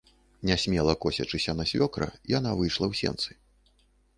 Нясмела, косячыся на свёкра, яна выйшла ў сенцы.